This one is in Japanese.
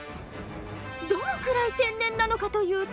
どのくらい天然なのかというと。